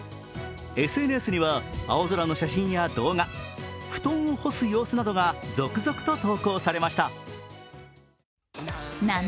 ＳＮＳには、青空の写真や動画布団を干す様子などが続々と投稿されました。